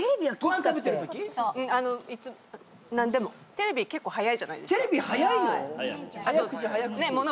テレビ結構早いじゃないですか。